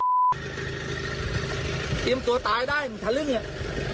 เตรียมตัวตายได้มึงฉะลึกละ